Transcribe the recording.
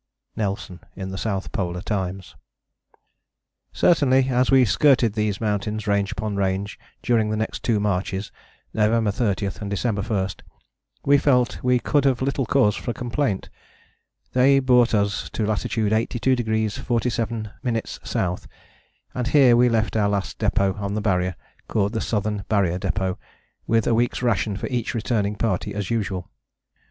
(NELSON in The South Polar Times.) Certainly as we skirted these mountains, range upon range, during the next two marches (November 30 and December 1), we felt we could have little cause for complaint. They brought us to lat. 82° 47´ S., and here we left our last depôt on the Barrier, called the Southern Barrier Depôt, with a week's ration for each returning party as usual.